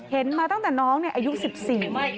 มาตั้งแต่น้องเนี่ยอายุสิบสี่